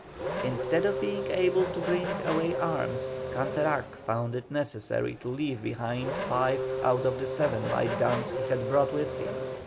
Instead of being able to bring away arms, Canterac found it necessary to leave behind five out of the seven light guns he had brought with him.